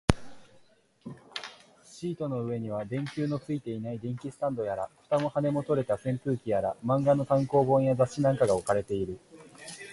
シートの上には、電球のついていない電気スタンドやら、蓋も羽も取れた扇風機やら、漫画の単行本や雑誌なんかが置かれている